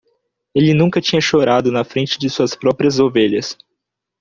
Ele nunca tinha chorado na frente de suas próprias ovelhas.